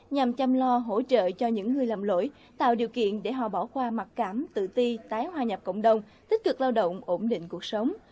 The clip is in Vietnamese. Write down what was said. nhằm chăm lo hỗ trợ cho những người lầm lỗi tạo điều kiện để họ bỏ qua mặc cảm tự ti tái hòa nhập cộng đồng tích cực lao động ổn định cuộc sống